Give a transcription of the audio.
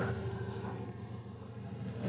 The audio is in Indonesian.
gak punya suami saya dong